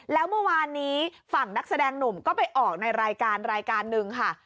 แล้วเมื่อวานนี้ฝั่งนักแสดงหนุ่มก็ไปออกในรายการรายการหนึ่งค่ะ